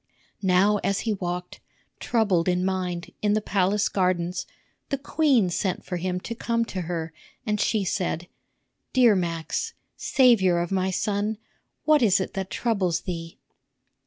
Now as he walked, troubled in mind, in the palace gardens, the queen sent for him to come to her, and she said: "Dear Max, savior of my son, what is it that troubles thee?"